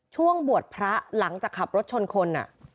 ช่วงบวชพระหลังจากขับรถชนคน